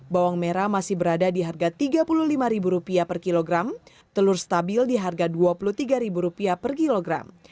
bawang merah masih berada di harga rp tiga puluh lima per kilogram telur stabil di harga rp dua puluh tiga per kilogram